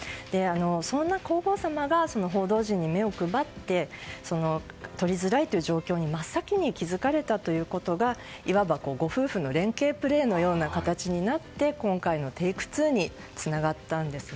そんな皇后さまが報道陣に目を配って撮りづらいという状況に真っ先に気づかれたということがいわば、ご夫婦の連係プレーのような形になって今回のテイクツーにつながったんですね。